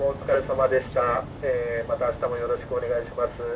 また明日もよろしくお願いします。